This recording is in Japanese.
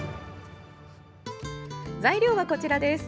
材料はこちらです。